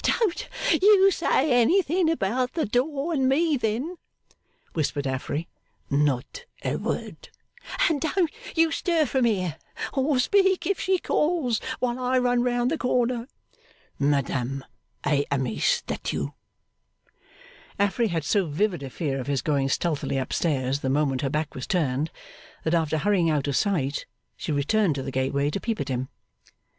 'Don't you say anything about the door and me, then,' whispered Affery. 'Not a word.' 'And don't you stir from here, or speak if she calls, while I run round the corner.' 'Madam, I am a statue.' Affery had so vivid a fear of his going stealthily up stairs the moment her back was turned, that after hurrying out of sight, she returned to the gateway to peep at him.